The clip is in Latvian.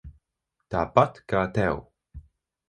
Tāpat kā tev.